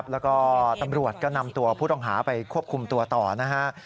แล้วก็ตำรวจก็นำตัวผู้ต้องหาไปควบคุมตัวต่อนะฮะ